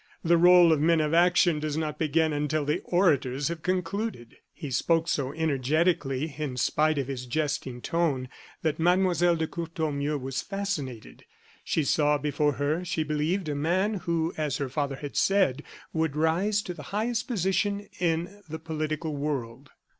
The role of men of action does not begin until the orators have concluded." He spoke so energetically, in spite of his jesting tone, that Mlle. de Courtornieu was fascinated. She saw before her, she believed, a man who, as her father had said, would rise to the highest position in the political world.